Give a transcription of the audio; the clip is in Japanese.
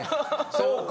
そうか。